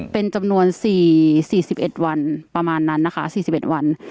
เป็นจำนวนสี่สี่สิบเอ็ดวันประมาณนั้นนะคะสี่สิบเอ็ดวัน